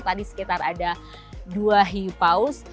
tadi sekitar ada dua hiupaus